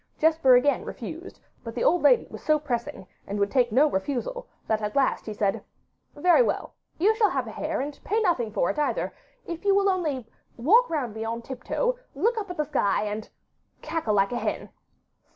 Jesper again refused, but the old lady was so pressing, and would take no refusal, that at last he said: 'Very well, you shall have a hare, and pay nothing for it either, if you will only walk round me on tiptoe, look up to the sky, and cackle like a hen.